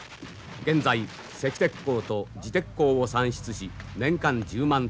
現在赤鉄鉱と磁鉄鉱を産出し年間１０万トン。